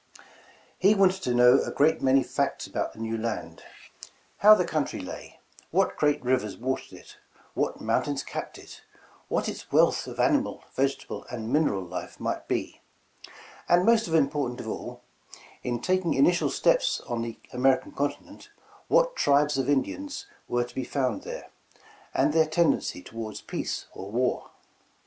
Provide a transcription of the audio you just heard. He wanted to know a great many facts about the new land, — ^how the country lay, what great rivers watered it, what mountains capped it, what its wealth of animal, vegetable, and mineral life might be; and most important of all, in taking initial steps on the 146 A Vision American continent, what tribes of Indians were to be found there, and their tendency toward peace or war.